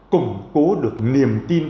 củng cố được niềm tin